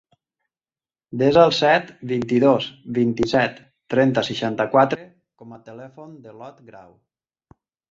Desa el set, vint-i-dos, vint-i-set, trenta, seixanta-quatre com a telèfon de l'Ot Grau.